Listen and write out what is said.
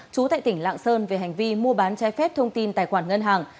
chú tại tỉnh lạng sơn về hành vi mua bán trái phép thông tin tài khoản ngân hàng